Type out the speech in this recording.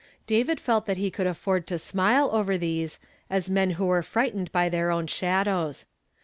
David felt that he could afford to smile over these, as men who were frightened by their own shadows.